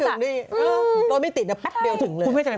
รถไม่ติดแต่ปั๊ดเร็วถึงเลย